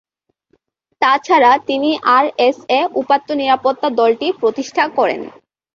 তাছাড়া তিনি আরএসএ উপাত্ত নিরাপত্তা দলটি প্রতিষ্ঠা করেন।